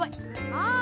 ああ。